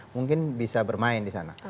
mungkin bisa bermain di sana